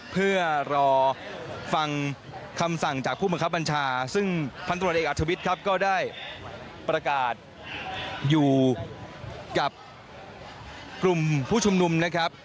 เพื่อรอฟังคำสั่งจากผู้บังคับบัญชาซึ่งพันตรวจเอกอัธวิทย์ครับก็ได้ประกาศอยู่กับกลุ่มผู้ชุมนุมนะครับ